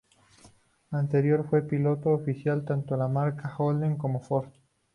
Anteriormente fue piloto oficial tanto de la marca Holden como de Ford.